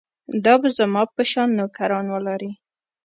دا به زما په شان نوکران ولري.